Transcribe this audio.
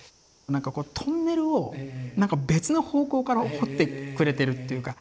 何かこうトンネルを何か別の方向から掘ってくれてるっていうか。